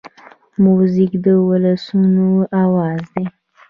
موزیک د ولسونو آواز دی.